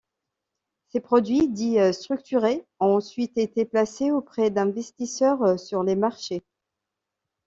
Ces produits dits structurés ont ensuite été placés auprès d'investisseurs sur les marchés.